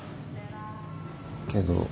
けど。